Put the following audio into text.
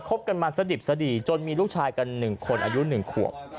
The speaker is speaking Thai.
บกันมาสดิบสดีจนมีลูกชายกัน๑คนอายุ๑ขวบ